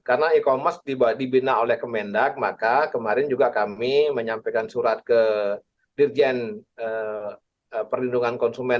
karena e commerce dibina oleh kemendak maka kemarin juga kami menyampaikan surat ke dirjen perlindungan konsumen